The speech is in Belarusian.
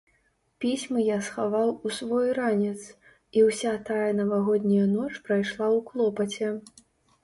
Пісьмы я схаваў у свой ранец, і ўся тая навагодняя ноч прайшла ў клопаце.